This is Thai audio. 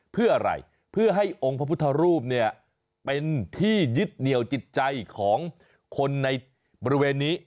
เพื่ออะไรเพื่อให้องค์พระพุทธรูปเนี่ยเป็นที่ยึดเหนียวจิตใจของคนในบริเวณนี้